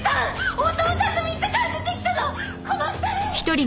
大友さんの店から出てきたのこの二人！